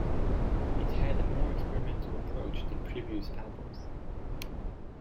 It had a more experimental approach than previous albums.